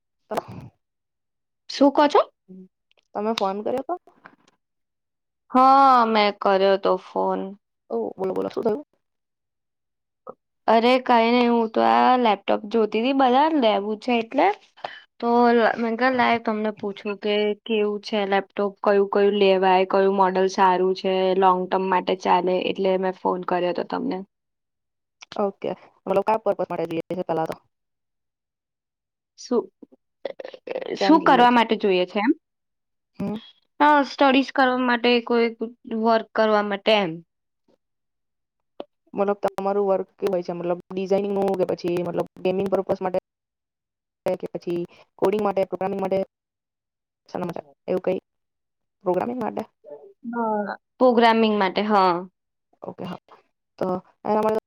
[inaudible] હુ કોછો તમે ફોન કર્યો અતો હઅ મેં કર્યો તો ફોન. ઓહ બોલો બોલો શું થયું? અરે કઈ નઈ હું તો આ લેપટોપ જોતીતી બધા લેવું છે એટલે તો અ મેંકલાઈ તમને પૂછું કે કેવું છે લેપટોપ કયું કયું લેવાય, કયું મોડલ સારું છે. લોંગ ટર્મ માટે ચાલે, એટલે મેં ફોન કર્યો હતો તમને. ઓકે [inaudible] શું? કેમ શું જોઈએ કરવા છે માટે જોઈએ છે એમ? હમ સ્ટડીઝ કરવા માટે, કોઈ વર્ક કરવા માટે એમ મતલબ [unintelligible] હોય છે મતલબ ડિઝાઇન નું કે પછી મતલબ ગેમિંગ પરર્પોઝ કે પાછી કોડી માટે [unintelligible] માટે શના માટે એવું કય પ્રોગ્રામિંગ માટે હા પ્રોગ્રામિંગ માટે હા. ઓકે હા એના માટે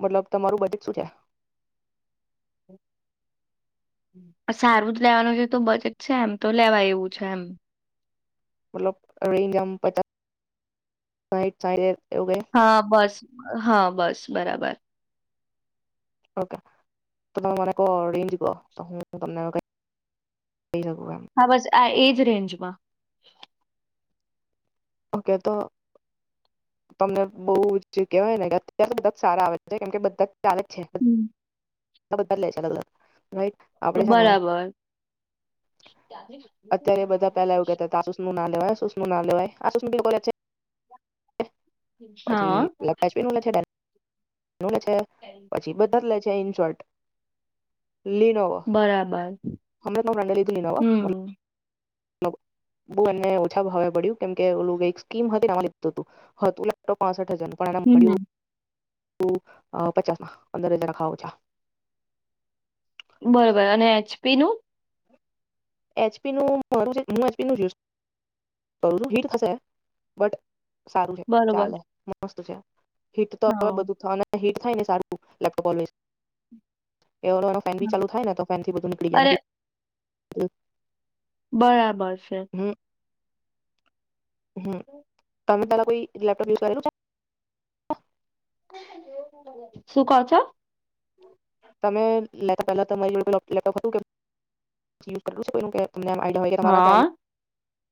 મતલબ તમારુ બજેટ શું છે? સારું જ લેવાનું જે તો બજેટ છે એમ તો લેવાય એવું છે એમ મતલબ [inaudible] હા બસ. હા બસ. બરાબર. ઓકે તમે મને કોહ રેન્જ કોહ તો હું તમને કહી શકું એમ હા બસ. આ એજ રેન્જમાં. ઓકે તો તમને બો જે કેહવાય ને બધાં સારા આવે છે કેમકે બધાં ચાલે છે. એ તો બધા લેય છે મતલબ આપડે છે ને બરાબર. અત્યારે બધા પેહલા એવુ કહેતા આ શૂઝ નું નામ લેવાય આ શૂઝ નું નામ લેવાય [unintelligible] હા [unintelligible] [unintelligible] [inaudible] [unintelligible] લીનોવા બરાબર હમ્મ. બહુ એમને ઓછા ભાવે પડ્યો કેમ કે સ્કીમ હતી [unintelligible] જલ્પનામાં હમ્મ. પડ્યું હ અ પચા પંદર [unintelligible] બરોબર. અને એચપી નુ? એચપી નું [unintelligible] સારું છે. બરોબર ચાલે. મસ્ત છે. [unintelligible] હીટ હા. થાય એ હમ્મ. સારું [unintelligible] અરે [unintelligible] ઓ [inaudible] બરાબર છે. હમ. તમે પેલા કોઈ લેપટોપ યુઝ કરેલું છે. [inaudible] [inaudible] શું કહો છો. તમે લેતા પેલા તમારી જોડે લેપટોપ હતું કે [inaudible] તમને એમ આઈડિયા હોય કે તમારા હા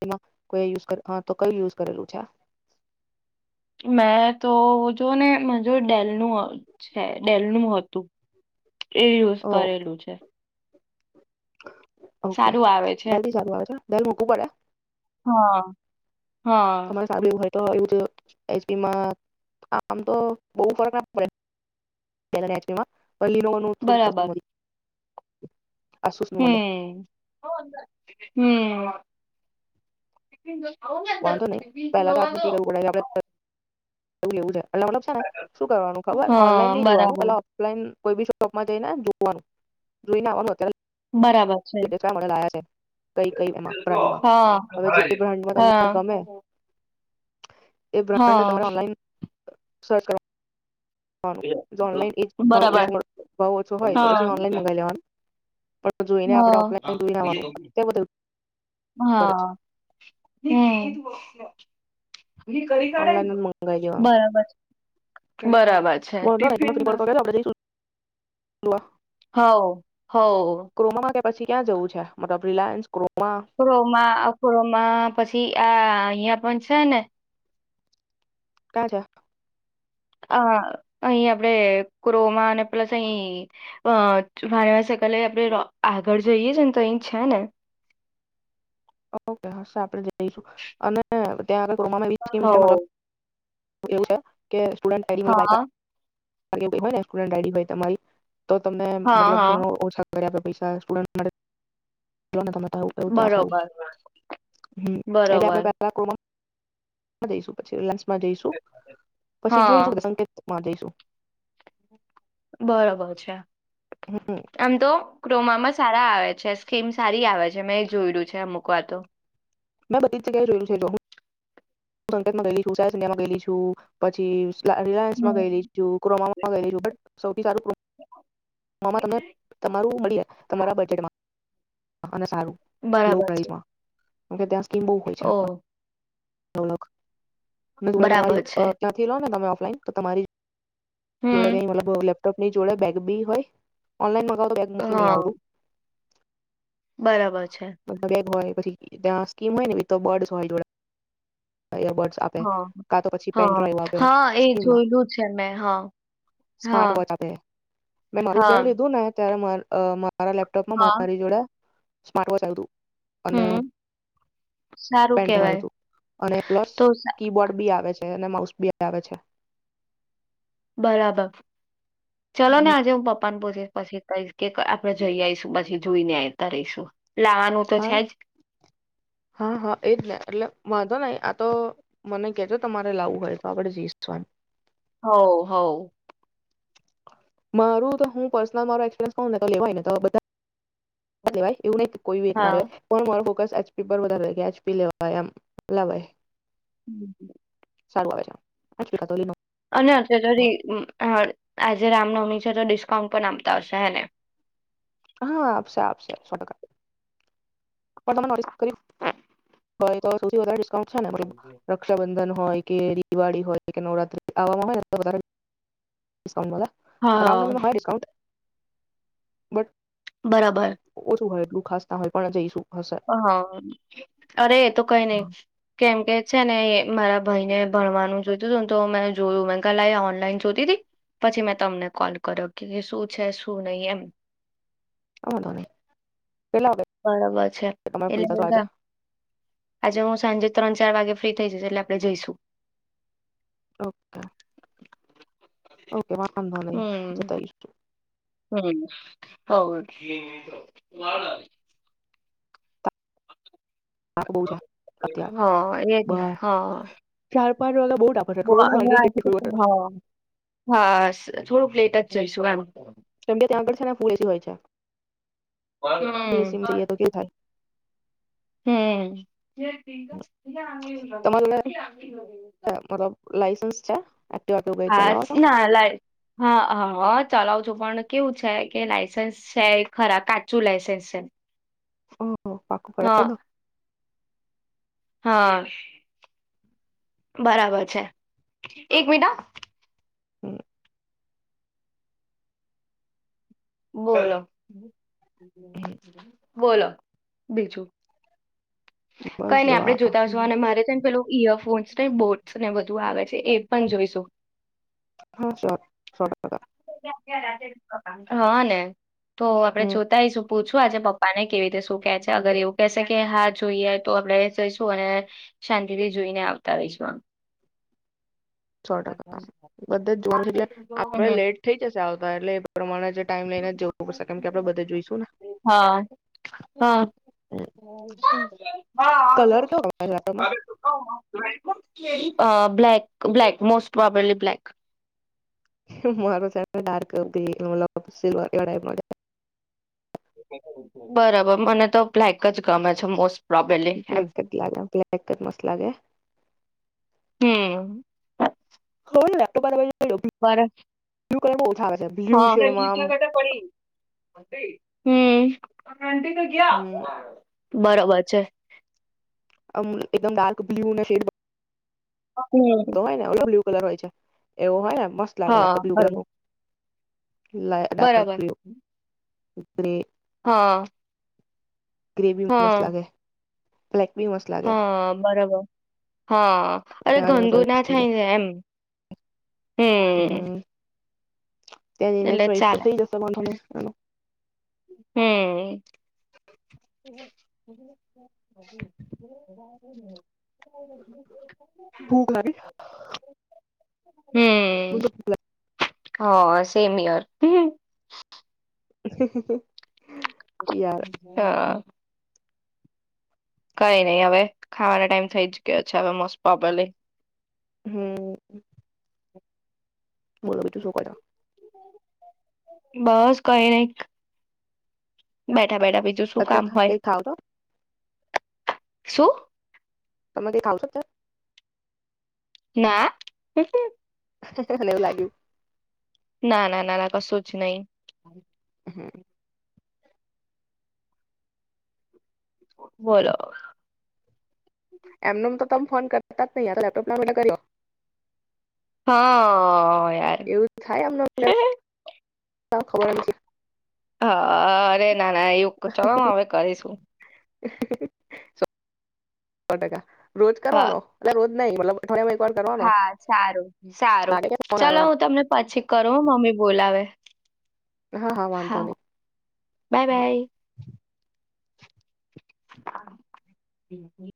તેમાં કોઈ યુઝ કરેલું. હા તો કયું યુઝ કરેલું છે. મેં તો જોને જો ડેલ [unintelligible] છે ડેલનું હતું. એ યુઝ કરેલું છે. હ [inaudible] ઓકે સારું આવે છે. ડેલી સારું આવે છે. ડેલ મૂકવું પડે. હા. હા તમારે સારું એવું હોય. તો એવુ તો એચપીમાં આમ તો બહુ ફરક ના પડે છે એચપી માં પલી ન નું [unintelligible] થોડું કશું બરાબર મળ્યું. [inaudible] હમ. હમ. ઈ લઈ વાંધો નહી. પહેલા તો [unintelligible] ઓલું લેવું સ [inaudible] એટલે મતલબ છે ને શું કરવાનું ખબર, ઓનલાઈન હા ની જોવાનું બરાબર પેલા ઓફલાઈન કોઈબી શોપમાં જઈને જોવાનું. જોઈને આવવાનું અત્યારે બરાબર. છે કે [unintelligible] મોડલ આયા છે. કઈ કઈ એમાં બ્રાડમાં, હા હવે જે બ્રાડમાં તમને હા. ગમે એ બ્રાન્ડ હા તમારે ઓનલાઈન સર્ચ કરો વાનું, જો ઓનલાઇન એ જ ભાવ બરાબર ઓછો મળ ભાવ ઓછો હોય, તો હા પછી ઓનલાઇન મંગાવી લેવાનું. પણ જોઈને આપણે હા. ઓફલાઈન જોઈને આવવાનું અત્યારે બધું કરે છે હા. હમ. [unintelligible] મી કરી કાઢેન ઓનલાઈન જ તું. મંગાવી બરાબર. બરા વોંધો નઈ તમ ફ્રી પડો તો કેજો આપડે જઈશું. જોવા હઉ. હઉ. ક્રોમામાં કે પછી ક્યાં જવું છે, મતલબ રિલાયન્સ, ક્રો કોમાં, અખરોમાં પછી આ અહિયાં પણ છે ને કાજા અ અહી આપણેે ક્રોમા અને પ્લસ અહી અ વાણવા સકલે આપણે રો આગળ જઈએ છે ને તો અહી છે ને ઓકે, હશે આપણે જઈશું અને ત્યાં આગળ ક્રોમામાં બી સ્કીમ હો છે, મતલબ એવુ સ કે સુુડન પેરી હોય હા વાયકા [unintelligible] હોય ને સ્ટુડન્ટ આઇડી હોય તમારી તો તમને હા મતલબ હા ઘણો ઓછા પડે આપે પૈસા સ્ટુડન્ટ માટે લોન [unintelligible] ત્યાં આવું થયું ક્યાં થયું. બરોબર હ, એટલે આપડે બરોબર પેલા કોમા જઈશું પછી રીલાયન્સ માં જઈશું. પછી જોઈશું હા [unintelligible] સંકે માં જઈશું. બરોબર છે. હમ આમ તો ક્રોમામાં જ સારા આવે છે, સ્કીમ સારી આવે છે. મેં જોયલું છે અમુક વાર તો મેં બધી જગ્યાએ જોયલુ છે હું હું સંકેતમાં ગેયલી છું, સા સિનેમાં ગેલી છું પછી હમ. રિલાયન્સમાં ગયલી છું ક્રોમામાં ગયેલી છું. બટ સૌ તમારું મળી તમારા બજેટમાં અને સારું લો બરાબર છે પ્રાઇસમાં હ કે ત્યા સ્કીમ બો હોય છે. ઓ તોણખ બરાબર છે ત્યાંથી લો ને તમે ન તો તમારી જોડે કય હમ [inaudible] ની જોડે બેગ બી હોય ઓનલાઇન મડ બેગ મૂકી નય હા આવાનું બરાબર છે. બેગ હોય પછી ત્યાં સ્કીમ હોય નેી તો બડસ હોય જોડે ઈયરબર્ડ આપે હા કા તો પછી હા પેનડ્રાઈવ આપે હા એ સ્કીમ માં જોયલું છે મેં હા હા સ્માર્ટ વોચ આપે મેં મારું જે હા લીધું ને ત્યારે માર અ માર મારા લેપટોપમાં હા મારી જોડે સ્માટ વોચ આયુ તું અને હમ સારું કેવાય પેન્ડ્રાઇવ અને પ્લસ તો સા કીબોર્ડ બી આવે છે. અને માઉસ બી આવે છે. બરાબર ચલો ને આજે હું પપ્પા ને પછ પછી કયસ કે આપડે જઈ આવીશું પછી જોઈને આવતા રહીશું. લાવવાનું તો હા છે જ હા હા એજ ને એટલે વાંધો નહી આ તો મને કેહજી તમારે લાવું હોય તો આપડે જીયસુ એમ હવ હવ મારું તો હું પર્સનલ મા એકસપીરયન્સ કવ ને તો લેવાયને તો દેવાય એવું નય કોઈ ના [unintelligible] મારે હા પણ મારો ફોકસ એચ પી પર વધારે કે એચ પી લેવાય એમ આમ લવાય હમમ સારું આવે અને અત તો આજે રામનવમી તો ડિકાઉન્ટ પણ આપતા હશે હે ને હા આપશે આપશે સો ટકા પણ તમે નોટિક કરિયું સૌથી વધારે ડીસકાઉન્ટ ડિસ્કાઉન્ટ છે ને રક્ષાબંધન હોય કે દિવાળી હોય કે નવરાત્રી આવામાં હોય ને હા રામનાવમી મા હોયે ડિસ્કાઉન્ટ બટ બરાબર ઓછુ હોય એટલું ખાસ ત [unintelligible] પણ જઈશું હશે હા અરે એ તો કઈ નહી કેમ કે છે ને મારા ભાઈને ભણવાનું જોતું હતુંને તો મે જોયું લયે ઓનલાઈન જોતી હતી પછી મેં તમને કોલ કર્યો કે શું છે શું નહી એમ અ વાંધો નહી કેટલા વાગે બરોબર છે તમે ફ્રી થશો એટલે આજે આજે હું સાંજે ત્રણ ચાર વાગે ફ્રી થઇ જશ એટલે આપડે જઈશું ઓકે ઓકે વામંધો નહીં જતા અઈશ હમ્મ તાપ બહુ છે અત્યારે હા એજને હ પર [unintelligible] થોડુંક લેટ જઈશું એમ એ હમ સિમ થઈએ તો કેવ થાય હમ્મ તમારું મતલબ લાયસન્સ છે એક્ટિવા કે એવું કઈ હા ચલાવો છો ના લ હા હા ચલાવ છો પણ કેવું છે કે લાયસન્સ છે ખરા કાચું લાયસન્સ છે હમ્મ ઓ પાકુ હા કરાયડો હા બરાબર છે એક મિનિટ હ બોલો [inaudible] બોલો બીજું કઈ બસ નઈ જો આપડે આ જોતા હશુ અને મારે છે ને પેલું ઈયરફોન્સ ને બોટસ ને બધું આવે છે એ પણ જોઈશું હા સ્યોર સોં ટકા હા, ને. તો આપડે હમ જોતા હૈસુ પૂછું આજે પપ્પાને કેવી રીતે શું કેહે છે, અગર એવું કસે કે હાજ જોઈએ તો આપડે જઈશું અને શાંતિથી જોઈને આવતા રહીશું આમ. સો ટકા બધે જ જોવાનું છે એટલે આપડે લેટ થઈ જશે આવતા એટલે એ પ્રમાણે જે ટાઈમ લઈને જવું પડશે કેમ કે આપડે બધે હ જોઈશું ને કલર કેવો ગમે છે લેપટોપમાં હ. અ, black black. Most probably black. [unintelligible] બરોબર, મને તો બ્લેક જ ગમે છે મોસ્ટ પ્રોબેબલી એમ બ્લેક જ લાગા, બ્લેક જ મસ્ત લાગે. હમ્મ. [unintelligible] મારા બ્લૂ કલર માં ઓછા આવે છે. હ. બ્લુ શેડમાં [unintelligible] [unintelligible] હમ્મ. આમ [unintelligible] બરોબર છે. અમ એકદમ ડાર્ક બ્લુ ને શેડ બ હમ તો એ [unintelligible] કલર હોય છે, એવું હોય ને મસ્ત લાગે હા લેપટોપ બ્લુ કલર બરોબર નું. લા [unintelligible] ડાર્ક બરાબર બ્લુ. એે હા. ગ્રેવીમાં મસ્ત લાગે. બ્લેક બી મસ્ત હ, લાગે બરોબર. હ અરે ત્યાં જઈને ઘણી ચોઈસ દુના થઈ થાય જાય ને એમ. હમ્મ્મ. હમ ત્યાં જઇને ચોઈસ તો થઈ જશે વાંધો નઈ. હમ્મ્મ. [inaudible] ભૂખ લાગી હમ [unintelligible] હ, સેમ હિયર. [inaudible] યાર હા કઈ નહી હવે ખાવાનો ટાઈમ થઈ જ ગયો છે હવે મોસ્ટ પ્રોબેબલી. હમમ બોલો બીજું શું કરો? બસ કઈ નય બટ બેઠા બેઠા બીજું શું કામ અત્યારે હોય. કઈ ખાવ છો શું? થતુ ના [unintelligible] નય લાગ્યું. ના ના ના ના કશું જ નય. હમમ બોલો એમનેમ તો તમે ફોન કરતા જ નય લેપટોપ ના લીધે કર્યો. હા અ એવું થાય અમને પણ ખબર હા અરે ના ના એવું ચ હવે કરીશું. સો ટકા રોજ હા કરવાનો એટલે રોજ નય મતલબ અઠવાડિયામાં એક વાર કરવાનો હા સારું સારું લાગે કે ફોન ચલો આવ્યો હું તમને પછી કરૂ હ અ મમ્મી બોલાવે. હા હા વાંધો નહી બાય હા. [inaudible] હા હમમ હમમ